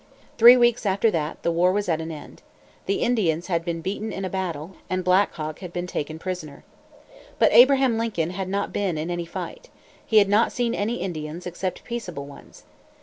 Three weeks after that the war was at an end. The Indians had been beaten in a battle, and Black Hawk had been taken prisoner. But Abraham Lincoln had not been in any fight. He had not seen any Indians, except peaceable ones.